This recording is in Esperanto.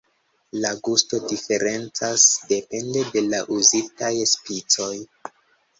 La gusto diferencas depende de la uzitaj spicoj.